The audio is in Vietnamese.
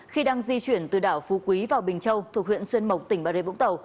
khi đang di chuyển từ đảo phú quý vào bình châu thuộc huyện xuyên mộc tỉnh bà rê vũng tàu